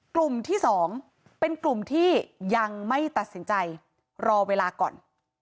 กลุ่มที่๒เป็นกลุ่มที่ยังไม่ตัดสินใจรอเวลาก่อน